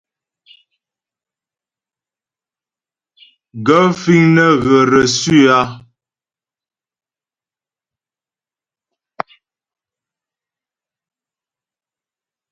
Gaə̂ fíŋ nə́ ghə̀ reçu a ?